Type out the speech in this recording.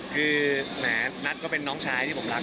คือแหมนัทก็เป็นน้องชายที่ผมรัก